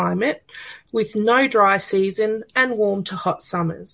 yang tidak terlalu panas dan panas untuk musim panas